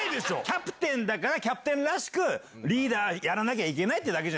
キャプテンだからキャプテンらしくリーダーやらなきゃいけないだけ。